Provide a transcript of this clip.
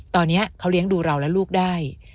ตอนนี้เขาเลี้ยงดูเราและลูกได้